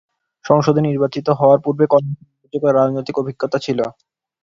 সংসদে নির্বাচিত হওয়ার পূর্বে কলিন্সের উল্লেখযোগ্য রাজনৈতিক অভিজ্ঞতা ছিল।